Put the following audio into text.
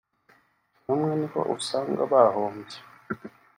bamwe niho usanga bahombye